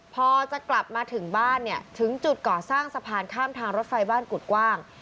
พอจะกลับมาถึงบ้านเนี่ยถึงจุดก่อสร้างสะพานข้ามทางรถไฟบ้านกุฎกว้าง